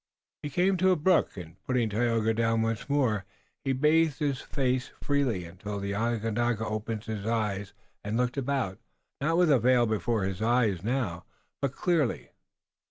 He came to a brook, and putting Tayoga down once more, he bathed his face freely, until the Onondaga opened his eyes and looked about, not with a veil before his eyes now, but clearly.